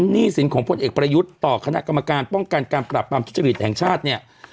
หนี้สินของพลเอกประยุทธ์ต่อคณะกรรมการป้องกันการปรับปรามทุจริตแห่งชาติเนี่ย